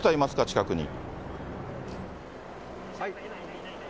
近くに。